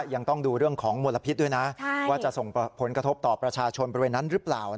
ยังต้องดูเรื่องของมลพิษด้วยนะว่าจะส่งผลกระทบต่อประชาชนบริเวณนั้นหรือเปล่า